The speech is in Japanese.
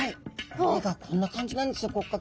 骨がこんな感じなんですよ骨格。